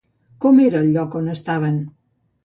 Com era el lloc on estaven?